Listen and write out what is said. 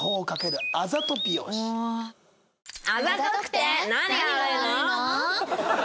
あざとくて何が悪いの？